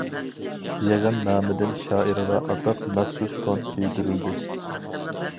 يىغىن نامىدىن شائىرغا ئاتاپ مەخسۇس تون كىيدۈرۈلدى.